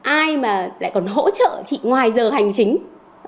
ai mà lại còn hỗ trợ chị ngoài giờ hành chính